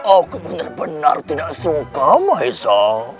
aku benar benar tidak suka mahesa